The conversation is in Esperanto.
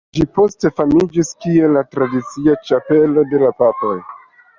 Ĝi poste famiĝis kiel la tradicia ĉapelo de la papoj.